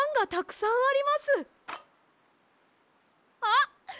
あっ！